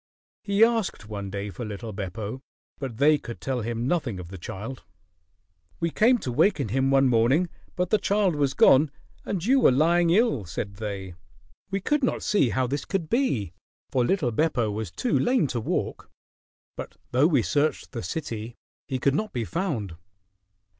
He asked one day for little Beppo, but they could tell him nothing of the child. "We came to waken him one morning, but the child was gone and you were lying ill," said they. "We could not see how this could be, for little Beppo was too lame to walk; but though we searched the city, he could not be found."